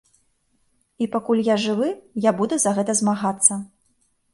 І пакуль я жывы, я буду за гэта змагацца.